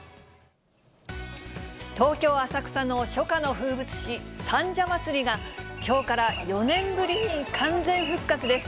東京・浅草の初夏の風物詩、三社祭が、きょうから４年ぶりに完全復活です。